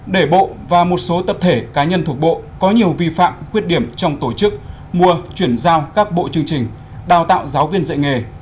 ba để bộ và một số tập thể cá nhân thuộc bộ có nhiều vi phạm khuyết điểm trong tổ chức mua chuyển giao các bộ chương trình đào tạo giáo viên dạy nghề